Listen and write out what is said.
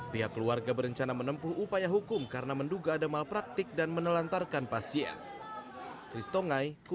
pihak keluarga berencana menempuh upaya hukum karena menduga ada malpraktik dan menelantarkan pasien